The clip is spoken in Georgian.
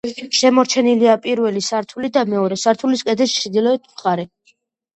შემორჩენილია პირველი სართული და მეორე სართულის კედლის ჩრდილოეთ მხარე.